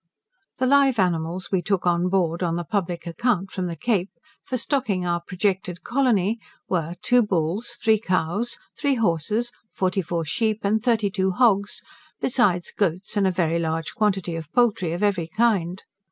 The live animals we took on board on the public account from the Cape, for stocking our projected colony, were, two bulls, three cows, three horses, forty four sheep, and thirty two hogs, besides goats, and a very large quantity of poultry of every kind.